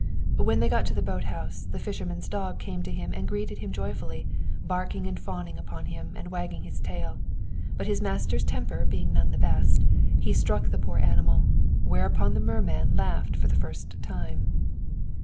When they got to the boat house, the fisherman's dog came to him and greeted him joyfully, barking and fawning on him, and wagging his tail. But his master's temper being none of the best, he struck the poor animal; whereupon the merman laughed for the first time.